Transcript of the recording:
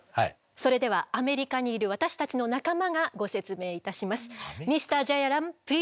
それではアメリカにいる私たちの仲間がご説明いたします。